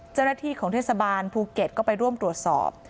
เจ้าหน้าที่ของเทศบาลภูเก็ตก็ไปร่วมตรวจสอบ